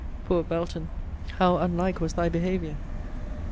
Poor Belton! how unlike was thy behaviour!